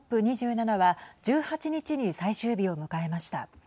ＣＯＰ２７は１８日に最終日を迎えました。